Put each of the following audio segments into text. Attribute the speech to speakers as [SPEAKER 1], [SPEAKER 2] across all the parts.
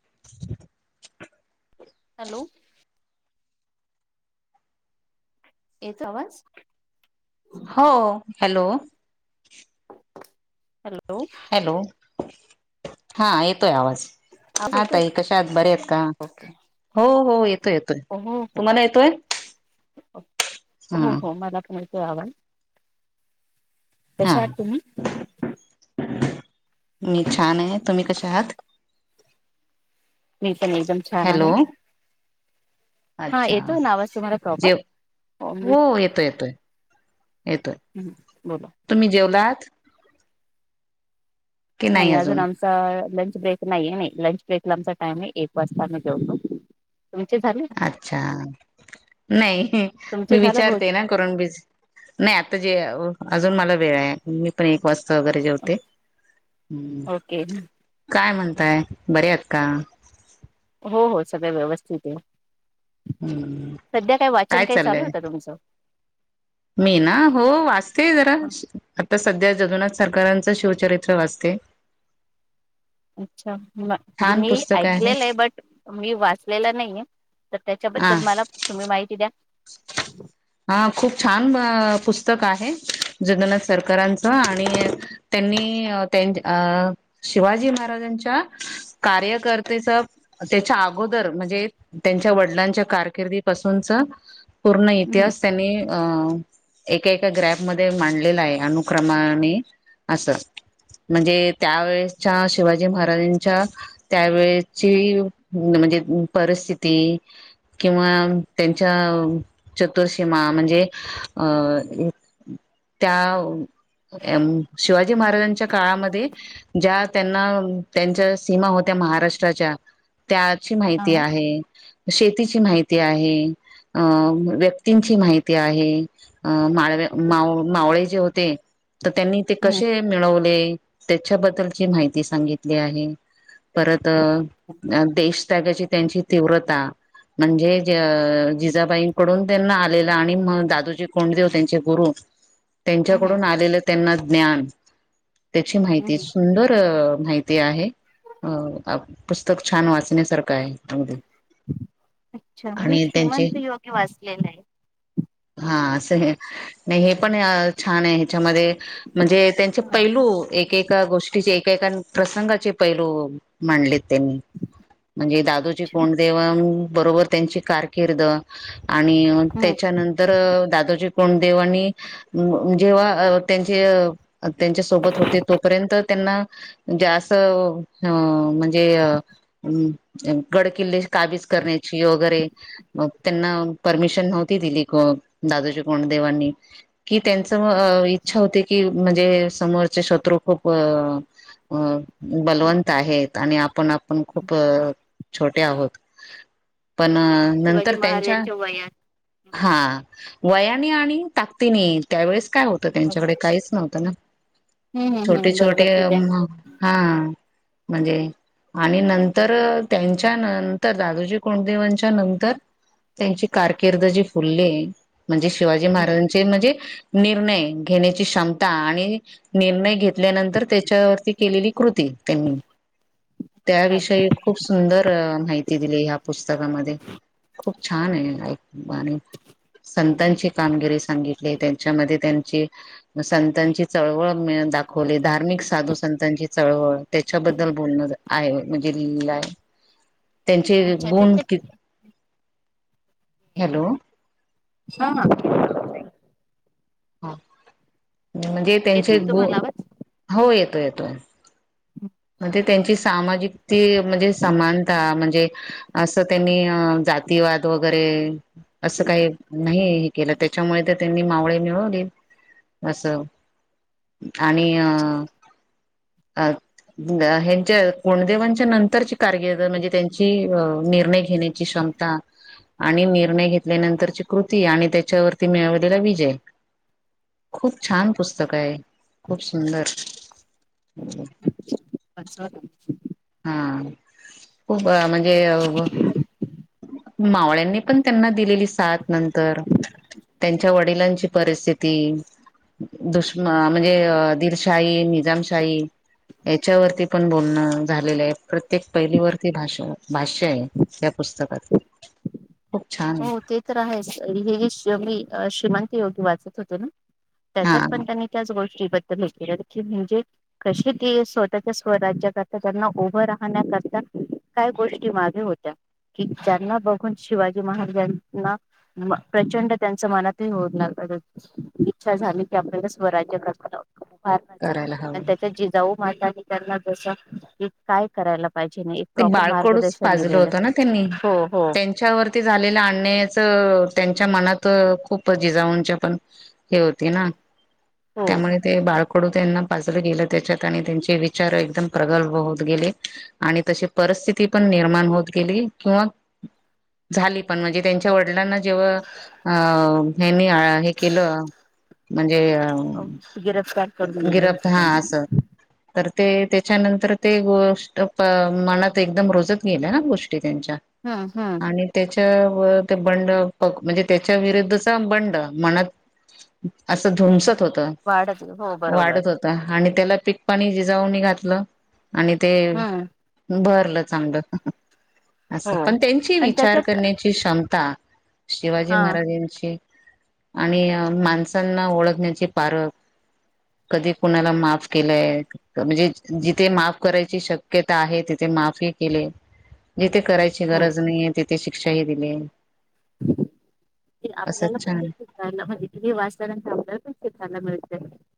[SPEAKER 1] [inaudible]
[SPEAKER 2] Hello येतो आवाज.
[SPEAKER 1] हो हॅलो
[SPEAKER 2] हॅलो
[SPEAKER 1] हॅलो हा ये तोय आवाज
[SPEAKER 2] आवाज
[SPEAKER 1] आता
[SPEAKER 2] येतोय का
[SPEAKER 1] कशात बरे आहेत का?
[SPEAKER 2] ओके
[SPEAKER 1] हो हो ये तोय येतोय.
[SPEAKER 2] हो हो
[SPEAKER 1] तुम्हाला येतोय?
[SPEAKER 2] हो
[SPEAKER 1] हा
[SPEAKER 2] हो मला पण येतोय आवाज.
[SPEAKER 1] हा
[SPEAKER 2] कशा आहात तुम्ही?
[SPEAKER 1] मी छान आहे. तुम्ही कसे आहात?
[SPEAKER 2] मी पण एकदम छान
[SPEAKER 1] हॅलो
[SPEAKER 2] आहे. हा
[SPEAKER 1] अच्छा
[SPEAKER 2] येतोय ना आवाज तुम्हाला प्रॉपर
[SPEAKER 1] जेव हो येतोय येतोय. येतोय
[SPEAKER 2] बोला
[SPEAKER 1] तुम्ही जेवलात?
[SPEAKER 2] नाही अजून आमचा लंच ब्रेक नाहीे लंच ब्रेकला आमचा टाईम आहे एक वाजता आम्ही जेवतो. तुमचे झाले
[SPEAKER 1] अच्छा. नाही
[SPEAKER 2] तुमचे
[SPEAKER 1] मी
[SPEAKER 2] झालं भोज
[SPEAKER 1] विचारते ना करून बी नाही आता जे अजून मला वेळ आहे मी पण एक वाज या वगैरे जेवते, हम्म
[SPEAKER 2] ओके
[SPEAKER 1] काय म्हण तात बरे आहात का?
[SPEAKER 2] हो हो सगळं व्यवस्थित आहे.
[SPEAKER 1] हम्म
[SPEAKER 2] सध्या काय वाचन काही चालू होत तुमचं?
[SPEAKER 1] मी ना हो वाचतेय जरा आता सध्या जगनाथ सरकारांचं शिवचरित्र वाचते
[SPEAKER 2] अच्छा म
[SPEAKER 1] छान
[SPEAKER 2] मी
[SPEAKER 1] पुस्तक
[SPEAKER 2] ऐकलेलं आहे बट मी वाचलेला नाहीे तर
[SPEAKER 1] हा
[SPEAKER 2] त्याच्याबद्दल मला तुम्ही माहिती द्या
[SPEAKER 1] हा खूप छान पुस्तक आहे जगनाथ सरकारांच आणि त्यांनी त्यां शिवाजी महाराजांच्या कार्यकर्तेचा त्याच्या अगोदर म्हणजे त्यांच्या वडिलांच्या कारकिर्दीपासूनच पूर्ण त्यास त्यांनी अ एका एका ग्रॅपमध्येध्ये मांडलेला आहे अनुक्रमाने असं म्हणजे त्यावेळेच्या शिवाजी महाराजांच्या त्यावेळेची म्हणजे परस्थिती किंवा त्यांच्या चतुर्शीीमा म्हणजे अ त्या शिवाजी महाराजांच्या काळामध्ये ज्या त्यांना त्यांच्या सीमा होत्या महाराष्ट्राच्या त्याची
[SPEAKER 2] हा
[SPEAKER 1] माहिती
[SPEAKER 2] हम्म
[SPEAKER 1] आहे शेतीची माहिती आहे आ व्यक्तीची माहिती आहे मा मा मावळे जे होते तर त्यांनी ते
[SPEAKER 2] हम्म
[SPEAKER 1] कसे मिळवले त्याच्याबद्दलची माहिती सांगितली आहे परत देश त्यागाची त्यांची तीव्रता म्हणजे जिजाबाईंकडून त्यांना आलेला आणि मग दादूजी कोंडदेव त्यांचे गुरु
[SPEAKER 2] हम्म
[SPEAKER 1] त्यांच्याकडून
[SPEAKER 2] हम्म
[SPEAKER 1] आलेलं त्यांना ज्ञान त्याची माहिती
[SPEAKER 2] हम्म.
[SPEAKER 1] सुंदर माहिती आहे अ पुस्तक छान वाचण्यासारखं आहे अगदी
[SPEAKER 2] अच्छा मी
[SPEAKER 1] आणि त्यांचे
[SPEAKER 2] श्रीमंत योगी वाचलेला आहे
[SPEAKER 1] हा असं नाही हे पण छान आहे ह्याच्यामध्ये म्हणजे त्यांचे
[SPEAKER 2] हा
[SPEAKER 1] पैलू एकका गोष्टी एका प्रसंगाचे पैलू मांडली त्यांनी म्हणजे दादूची
[SPEAKER 2] अच्छा.
[SPEAKER 1] कोंडदेव बरोबर त्यांची कारकीिर्द आणि
[SPEAKER 2] हम्म.
[SPEAKER 1] त्याच्यानंतर दादाजी कोण देवानी जेव्हा त्यांचे त्यांच्या सोबत होते तोपर्यंत त्यांना जे अस अ म्हणजे अ हम् गड किल्ले काबीज करण्याची वगैरे मग त्यांना परमिशन नव्हती दिली दादूजी कोंडदेवांनी कि त्यांच इच्छा होते की म्हणजे समोरचे शत्रू खूप अ बलवंत आहेत आणि आपण आपण खूप छोटे आहोत पण
[SPEAKER 2] हा
[SPEAKER 1] नंतर
[SPEAKER 2] शिवाजी
[SPEAKER 1] त्यांच्या
[SPEAKER 2] महाराजांच्या वयात
[SPEAKER 1] हा वयाने आणि ताकतीने त्यावेळेस काय होतं त्यांच्याकडे
[SPEAKER 2] असं.
[SPEAKER 1] काहीच नव्हतं ना.
[SPEAKER 2] हम्म हम्म
[SPEAKER 1] छोटे
[SPEAKER 2] हम्म बरोबर
[SPEAKER 1] छोटे
[SPEAKER 2] ठीक आहे.
[SPEAKER 1] हा म्हणजे आणि नंतर त्यांच्या नंतर दादूजी कुडदेवांच्या नंतर त्यांची कारकिर्द जे फुलले म्हणजे शिवाजी
[SPEAKER 2] हम्म
[SPEAKER 1] महाराजांचे म्हणजे निर्णय घेण्याची क्षमता आणि निर्णय घेतल्यानंतर त्याच्यावरती केलेली कृती त्यांनी.
[SPEAKER 2] चालेल
[SPEAKER 1] त्याविषयी खूप सुंदर माहिती दिली ह पुस्तकामध्ये खूप छान आहे ऐक आणि संतांची कामगिरी सांगितली त्यांच्यामध्ये त्यांची संतांची चळवळ मि दाखवले धार्मिक साधू संतांची चळवळ त्याच्याबद्दल बोलणं आहे म्हणजे लिहिल आहे त्यांचे
[SPEAKER 2] अच्छा
[SPEAKER 1] गुण
[SPEAKER 2] त्याच्यात
[SPEAKER 1] क हॅलो
[SPEAKER 2] हा हा
[SPEAKER 1] ह म्हणजे
[SPEAKER 2] येतोय
[SPEAKER 1] त्यांचे ग
[SPEAKER 2] तुम्हाला आवाज
[SPEAKER 1] हो येतो येतोय म्हणजे त्यांची सामाजिक ती म्हणजे समानता म्हणजे असं त्यांनी अ जातीवाद वगैरे असं काही नाही हे केलं त्याच्यामुळे तर त्यांनी मावळे मिळवले अस आणि अ अ ग ह्यांचे कोंडे म्हणजे नंतरची कारकीर्द म्हणजे त्यांची निर्णय घेण्याची क्षमता आणि निर्णय घेतल्यानंतरची कृती आणि त्याच्यावरती मिळवलेला विजय. खूप छान पुस्तक आहे खूप सुंदर
[SPEAKER 2] [unintelligible]
[SPEAKER 1] हा खूप म्हणजे अ मावळ्यांनी पण त्यांना दिलेली साथ नंतर. त्यांच्या वडिलांची परिस्थिती दुशम म्हणजे दिलशाही, निजामशाही याच्यावरती पण बोलणं झालेले आहे प्रत्येक पहिलीवरती भाष भाष्य आहे त्या पुस्तकात. खूप छान
[SPEAKER 2] हो
[SPEAKER 1] आहे
[SPEAKER 2] ते तर आहेच हेगी श्री योगी श्रीमंत योगी वाचत होतो ना त्याच्यात
[SPEAKER 1] हा
[SPEAKER 2] पण त्यांनी त्याच गोष्टी ब हे म्हणजे कशे ते स्वतःच्या स्वराज्या करता त्यांना उभं राहण्याकरता काय गोष्टी मागे होत्या की ज्यांना बघून शिवाजी महाराजांना म प्रचंड त्यांच्या मनात होऊ लाग इच्छा झाली आपल्याला स्वराज्य करता फारमच आहे
[SPEAKER 1] करायला
[SPEAKER 2] आणि
[SPEAKER 1] हवं
[SPEAKER 2] त्याच्या जिजाऊ मातानी त्यांना जस की काय करायला पाहिजे नाही एक
[SPEAKER 1] ते
[SPEAKER 2] प्रॉपर
[SPEAKER 1] बाळकोडच
[SPEAKER 2] मार्गदर्शन
[SPEAKER 1] पाजलं
[SPEAKER 2] दिलेलं
[SPEAKER 1] होत ना त्यांनी
[SPEAKER 2] हो हो
[SPEAKER 1] त्यांच्यावरती झाले आणण्याच त्यांच्या मनात खूप जिजाऊंच्या पण हे होती ना
[SPEAKER 2] हो
[SPEAKER 1] त्यामुळे ते बाळक कडु त्यांना पाजलं गेलं त्याच्यात आणि त्यांचे विचार एकदम प्रगल्भ होत गेले आणि तशी परिस्थिती पण निर्माण होत गेली किंवा झाली पण म्हणजे त्यांच्या वडिलांना जेव्हा अ हेनी हे केलं म्हणजे अ
[SPEAKER 2] गिरफ्तार करून दिले होते
[SPEAKER 1] गिरफ्तार हा
[SPEAKER 2] त्यांनी
[SPEAKER 1] असं तर ते त्याच्यानंतर ते गोष्ट प मनात एकदम रूजत गेल्या ना गोष्टी त्यांच्या
[SPEAKER 2] हम्म हम्म
[SPEAKER 1] आणि त्याच्या ते बंड मग म्हणजे त्याच्या विरुद्धचा बंड मनात असं धुमसत होत
[SPEAKER 2] वाढत हो बरोबर
[SPEAKER 1] वाढत होत आणि त्याला पीक पाणी जिजाऊनी घातलं आणि ते
[SPEAKER 2] हम्म
[SPEAKER 1] भरलं चांगलं अस
[SPEAKER 2] हो.
[SPEAKER 1] पण त्यांची
[SPEAKER 2] आणि
[SPEAKER 1] विचार
[SPEAKER 2] त्याच्यात
[SPEAKER 1] करण्याची क्षमता शिवाजी
[SPEAKER 2] हा.
[SPEAKER 1] महाराजांची आणि माणसांना ओळखण्याची पारख. कधी कुणाला माफ केलंय म्हणजे जिथे माफ करायची शक्य ता आहे तिथे माफी केले जिथे करायची
[SPEAKER 2] हो.
[SPEAKER 1] गरज नाहीे त शिक्षाही दिली.
[SPEAKER 2] ते आपल्याला
[SPEAKER 1] असंच छान
[SPEAKER 2] पण म्हणजे वाचल्यानंतर आपल्याला पण शायला मिळत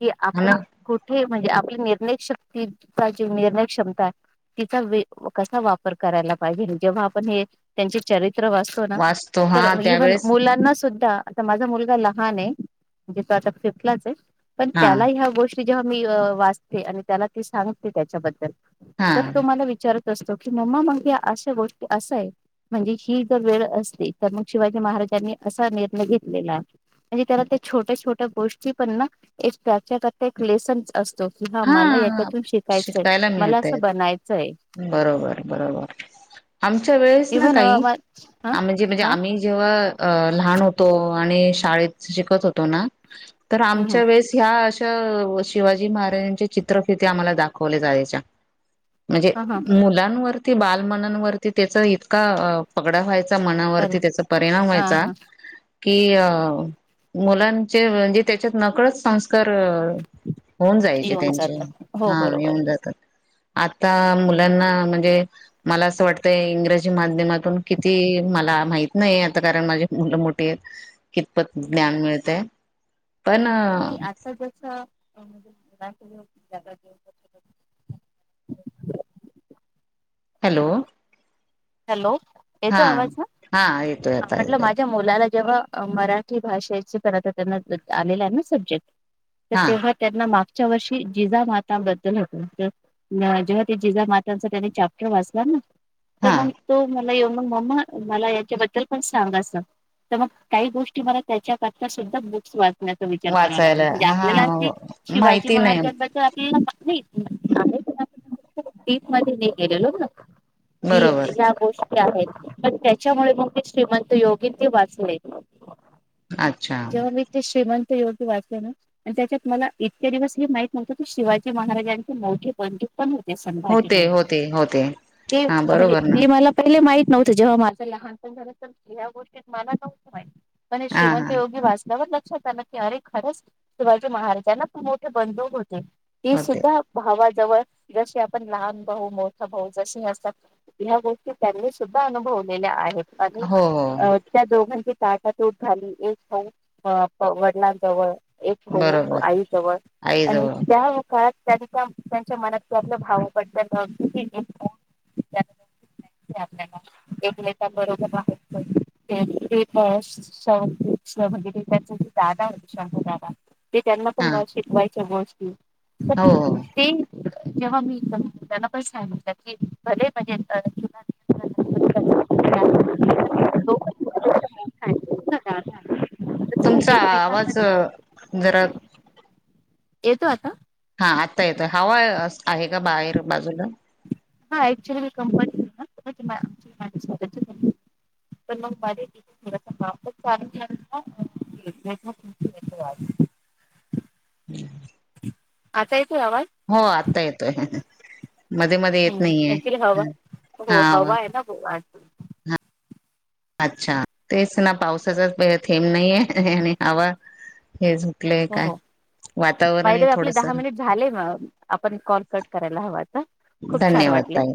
[SPEAKER 2] कि
[SPEAKER 1] हा
[SPEAKER 2] आपण
[SPEAKER 1] ना
[SPEAKER 2] कुठे म्हणजे आपल्या निर्णयक शक्तीचा जे निर्णय क्षमता आहे. तिचा कसा वापर करायला पाहिजे जेव्हा आपण हे त्यांचे चरित्र चरित्र वास्तव ना
[SPEAKER 1] वाचतो
[SPEAKER 2] तर
[SPEAKER 1] हा
[SPEAKER 2] इवन
[SPEAKER 1] त्यावेळेस
[SPEAKER 2] मुलांना सुद्धा आता माझा मुलगा लहान आहे म्हणजे तो आता फिफ्टलाच जाईल पण
[SPEAKER 1] हा
[SPEAKER 2] त्याला ह्या गोष्टी जेव्हा मी वाचते आणि त्याला ते सांगते त्याच्याबद्दल
[SPEAKER 1] हा
[SPEAKER 2] तर तो मला विचार असतो की मम्मा मग अशा गोष्टी असा आहे म्हणजे ही जर वेळ असते तर मग शिवाजी महाराज त्यांनी असा निर्णय घेतलेला म्हणजे त्याला त्या छोट्या छोट्या गोष्टी पण ना एक त्याच्या करता एक लेसन असतो. कि हा मला याच्यातून शिकायचंय
[SPEAKER 1] शिकायला
[SPEAKER 2] मला
[SPEAKER 1] मिळतय
[SPEAKER 2] असं बनायचंय.
[SPEAKER 1] बरोबर
[SPEAKER 2] इव्हन
[SPEAKER 1] आम्ही
[SPEAKER 2] हा
[SPEAKER 1] म्हणजे
[SPEAKER 2] हा
[SPEAKER 1] आम्ही जेव्हा अ लहान होतो आणि शाळेत शिकत होतो ना तर
[SPEAKER 2] ह
[SPEAKER 1] आमच्या वेळेस ह्या अशा शिवाजी महाराजांच्या चित्रफिती आम्हाला दाखवल्या जायच्या. म्हणजे
[SPEAKER 2] ह ह
[SPEAKER 1] मुलांवरती बालमनांवरती त्याचा इतका पगडा व्हायचा.
[SPEAKER 2] बरे
[SPEAKER 1] मनावरती त्याचा परिणाम
[SPEAKER 2] हा
[SPEAKER 1] व्हायचा.
[SPEAKER 2] हा
[SPEAKER 1] कि अ मुलांचे म्हणजे त्याच्यात नकळत संस् तर होऊन जायचे
[SPEAKER 2] येऊन
[SPEAKER 1] त्यांचे
[SPEAKER 2] जात हो
[SPEAKER 1] हा
[SPEAKER 2] बरोबर
[SPEAKER 1] येऊन जातात आ आता मुलांना म्हणजे मला असं वाटतंय इंग्रजी माध्यमातून किती मला माहि मा नाही आता कारण माझी मुलं मोठी आहेत कितपत ज्ञान मिळतय. पण
[SPEAKER 2] म आता जसं [inaudible]
[SPEAKER 1] हॅलो
[SPEAKER 2] हॅलो
[SPEAKER 1] हा
[SPEAKER 2] येतो आवाज ह
[SPEAKER 1] हा येतोय आता
[SPEAKER 2] म्हटलं
[SPEAKER 1] येतोय
[SPEAKER 2] माझ्या मुलाला जेव्हा मराठी भाषेच क त्यांना आलेलं आहे ना सब्जेक्ट तर
[SPEAKER 1] हा
[SPEAKER 2] तेव्हा त्यांना मागच्या वर्षी जिजा माताबद्दल होत. जेव्हा ते जिजा माताचा त्यानी चॅप्टर वाचला ना तर
[SPEAKER 1] हा
[SPEAKER 2] मग तो म येऊ मग मम्मा मला याच्याबद्दल पण सांगा अस तर मग काही गोष्टी मला त्याच्या सुद्धा बुक्स वाट विचार करा लाग
[SPEAKER 1] वाचायला
[SPEAKER 2] म्हणजे
[SPEAKER 1] हा
[SPEAKER 2] आपल्याला अस शिवाजी महाराजांबद्दल आप
[SPEAKER 1] हम्
[SPEAKER 2] डिप मध्ये नाही गेलेलो ना की
[SPEAKER 1] बरोबर
[SPEAKER 2] या गोष्टी पण त्याच्यामुळे मग ते श्रीमंत योगी ते वाचले.
[SPEAKER 1] अच्छा
[SPEAKER 2] जेव्हा मी ते श्रीमंत योगी चे वाचले ना त्याच्यात मला इतके दिवस हे माहित नव्हतं की शिवाजी महाराजांचे मोठे बंधूक पण होते. ते संभाजी
[SPEAKER 1] होते
[SPEAKER 2] महाराज.
[SPEAKER 1] होते होते हा
[SPEAKER 2] म्हणजे
[SPEAKER 1] बरोबर ना
[SPEAKER 2] इ मला पहिले माहित नव्हतं जेव्हा माझं लहानपण झालं तर या गोष्टीत मला नव्हत्या माहित आणि
[SPEAKER 1] हा
[SPEAKER 2] श्रीमंत
[SPEAKER 1] हा
[SPEAKER 2] योगी वास्तवात की अे खरंच शिवाजी महाराजांना पण मोठे बंधू ती
[SPEAKER 1] होते
[SPEAKER 2] सुद्धा भावाजवळ जशी आपण लहान भाऊ मोठा भाऊ जशी असतात. ह गोष्टी त्यांनी सुद्धा अनुभवलेल्या आहेत आणि
[SPEAKER 1] हो हो
[SPEAKER 2] त्या दोघां ताट तूट झाली एक भाऊ वडलांजवळ एक भाऊ
[SPEAKER 1] बरोबर
[SPEAKER 2] आई जवळ
[SPEAKER 1] आई
[SPEAKER 2] आणि
[SPEAKER 1] जवळ
[SPEAKER 2] त्या काळात त्या त्यांच्या मनात आपलं भावबद्दल
[SPEAKER 1] [unintelligible] [inaudible]
[SPEAKER 2] आपल्याला एक बरोबर बाहेर ते पेपर्स वगैरे त्या दादा होते श ते त्यांना पण
[SPEAKER 1] हा
[SPEAKER 2] म शिकवायच्या गोष्टी.
[SPEAKER 1] हो हो
[SPEAKER 2] जेव्हा मी पण त्यांना पैस आणल की भले म्हज तु हो
[SPEAKER 1] तुमचा आवाज जरा
[SPEAKER 2] येतो आता.
[SPEAKER 1] हा आत्ता येतोय हवा आहे का बाहेर बाजूला
[SPEAKER 2] हा अक्चुली मी कंपनी आहे ना तर मग वार [inaudible]
[SPEAKER 1] हम्म
[SPEAKER 2] आता येतो
[SPEAKER 1] हो आत्ता येतोय मध्ये मध्ये येत
[SPEAKER 2] हम्म
[SPEAKER 1] नाहीये
[SPEAKER 2] अक्चुली हवा हो
[SPEAKER 1] हा
[SPEAKER 2] हवा आहे ना
[SPEAKER 1] अच्छा तेच ना पावसाचा थेंब नाहीये आणि हवा हेच
[SPEAKER 2] हो बाय द वे आपले
[SPEAKER 1] थोडस
[SPEAKER 2] दहा मिनिट झालेय मग आपण कॉल कट करायला हव
[SPEAKER 1] धन्यवाद ताई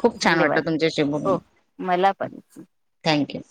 [SPEAKER 1] खूप छान वाटल
[SPEAKER 2] धन्यवाद
[SPEAKER 1] तुमच्याशी बोलून
[SPEAKER 2] हो मला पण
[SPEAKER 1] थँक यू